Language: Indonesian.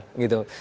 untuk paser gitu